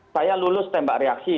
saya lulus tembak reaksi